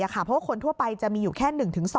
เพราะว่าคนทั่วไปจะมีอยู่แค่๑๒